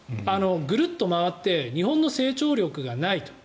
ぐるっと回って日本の成長力がないと。